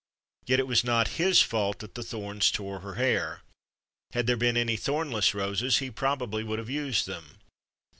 Yet it was not his fault that the thorns tore her hair ; had there been any thornless roses he would probably have used them.